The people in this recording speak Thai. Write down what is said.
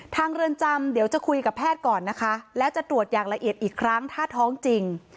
เรือนจำเดี๋ยวจะคุยกับแพทย์ก่อนนะคะแล้วจะตรวจอย่างละเอียดอีกครั้งถ้าท้องจริง